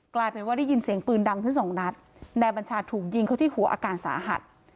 กลายเป็นว่าได้ยินเสียงปืนดังขึ้นสองนัดนายบัญชาถูกยิงเขาที่หัวอาการสาหัส